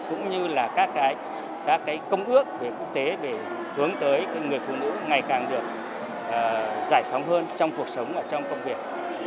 cũng như là các công ước về quốc tế để hướng tới người phụ nữ ngày càng được giải phóng hơn trong cuộc sống và trong công việc